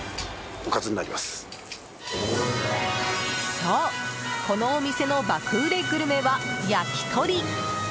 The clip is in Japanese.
そう、このお店の爆売れグルメは焼き鳥！